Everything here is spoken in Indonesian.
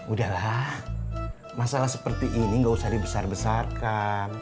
udahlah masalah seperti ini gak usah dibesar besarkan